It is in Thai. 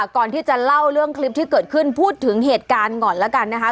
ก่อนที่จะเล่าเรื่องคลิปที่เกิดขึ้นพูดถึงเหตุการณ์ก่อนแล้วกันนะคะ